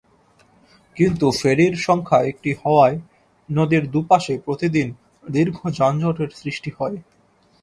কিন্তু ফেরির সংখ্যা একটি হওয়ায় নদীর দুপাশে প্রতিদিন দীর্ঘ যানজটের সৃষ্টি হয়।